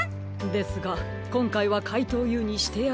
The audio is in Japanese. ですがこんかいはかいとうＵにしてやられました。